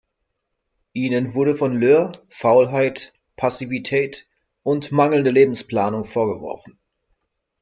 Ihnen wurde von Löhr Faulheit, Passivität und mangelnde Lebensplanung vorgeworfen.